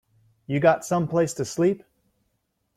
You got someplace to sleep?